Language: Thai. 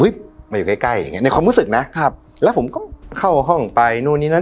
มาอยู่ใกล้ใกล้อย่างเงี้ในความรู้สึกนะครับแล้วผมก็เข้าห้องไปนู่นนี่นั่น